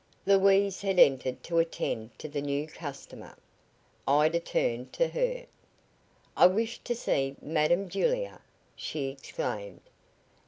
Louise had entered to attend to the new customer. Ida turned to her: "I wish to see Madam Julia!" she exclaimed.